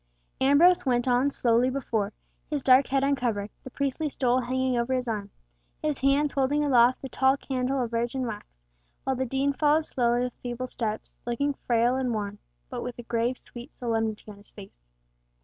Ambrose went on slowly before, his dark head uncovered, the priestly stole hanging over his arm, his hands holding aloft the tall candle of virgin wax, while the Dean followed closely with feeble steps, looking frail and worn, but with a grave, sweet solemnity on his face.